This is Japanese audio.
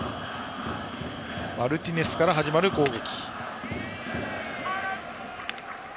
マルティネスから始まる攻撃。